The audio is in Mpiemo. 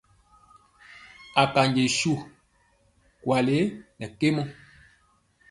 Akanji suwu nkwale nɛ kemɔ.